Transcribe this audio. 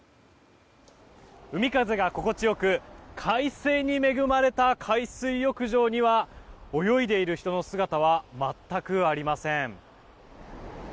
海風が心地よく快晴に見舞われた海水浴場には泳いでいる人の姿は全くありません。